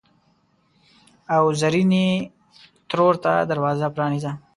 او زرینې ترور ته دروازه پرانیزه!